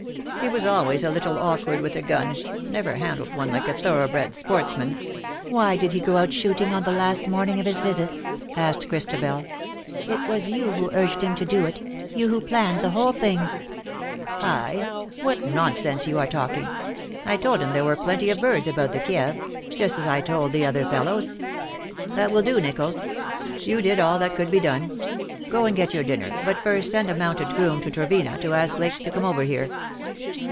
He was always a little awkward with a gun — never handled one like a thoroughbred sportsman/^ 21 ff Why did lie go out shooting on the last morning of his visit ?" asked Christabel. " It was you who urged him to do it — you who planned the whole thing/^ *' I ! What nonsense you are talking. I told him there were plenty of birds about the Kieve — just as I told the other fellows. That will do, Nicholls. You did all that could be done. Go and get your dinner, but first send a mounted groom to Trevena to ask Blake to come over here."